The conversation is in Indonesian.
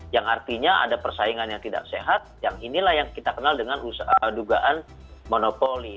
yang artinya ada persaingan yang tidak sehat yang inilah yang kita kenal dengan dugaan monopoli